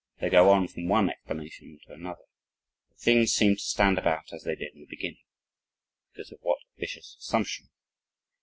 They go on from one explanation to another but things seem to stand about as they did in the beginning "because of that vicious assumption."